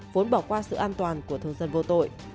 vốn bỏ qua sự an toàn của thường dân vô tội